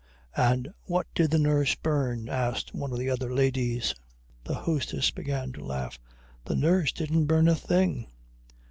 "And what did the nurse burn?" asked one of the other ladies. The hostess began to laugh. "The nurse didn't burn a thing!"